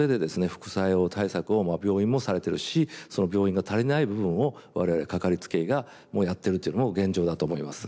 副作用対策を病院もされてるしその病院が足りない部分を我々かかりつけ医もやってるっていうのも現状だと思います。